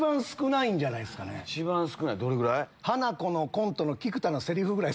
どれぐらい？